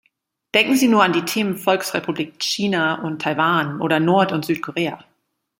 Denken Sie nur an die Themen Volksrepublik China und Taiwan oder Nord- und Südkorea.